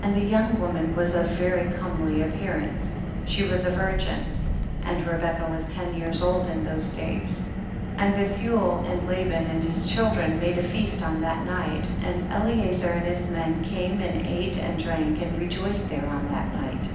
40. And the young woman was of very comely appearance, she was a virgin, and Rebecca was ten years old in those days. 41. And Bethuel and Laban and his children made a feast on that night, and Eliezer and his men came and ate and drank and rejoiced there on that night.